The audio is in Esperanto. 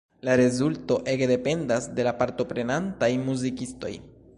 La rezulto ege dependas de la partoprenantaj muzikistoj.